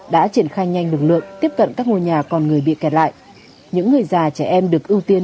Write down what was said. đã triển khai nhanh lực lượng tiếp cận các ngôi nhà còn người bị kẹt lại những người già trẻ em được ưu tiên